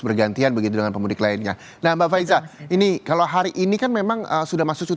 bergantian begitu dengan pemudik lainnya nah mbak faiza ini kalau hari ini kan memang sudah masuk